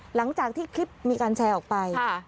หลังจากที่คลิปมีการแชร์ออกไป